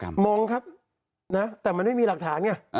มองครับแต่มันจะไม่มีรักฐาน